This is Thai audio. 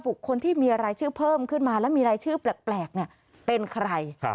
คนที่มีรายชื่อเพิ่มขึ้นมาและมีรายชื่อแปลกเป็นใคร